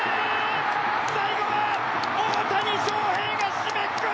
最後は大谷翔平が締めくくった！